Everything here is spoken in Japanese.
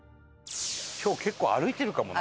今日結構歩いてるかもな。